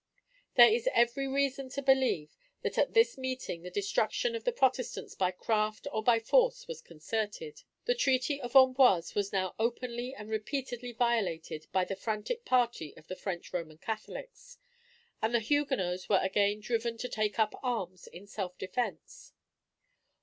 There is every reason to believe that at that meeting the destruction of the Protestants by craft or by force was concerted. The treaty of Amboise was now openly and repeatedly violated by the fanatic party of the French Roman Catholics; and the Huguenots were again driven to take up arms in self defence.